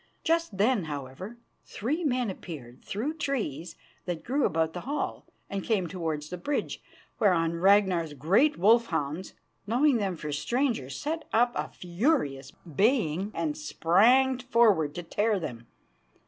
Just then, however, three men appeared through trees that grew about the hall, and came towards the bridge, whereon Ragnar's great wolfhounds, knowing them for strangers, set up a furious baying and sprang forward to tear them.